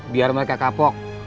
biar mereka kapok